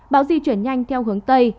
bão di chuyển nhanh theo hướng tây